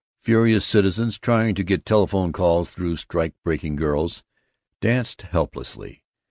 Furious citizens, trying to get telephone calls through strike breaking girls, danced helplessly.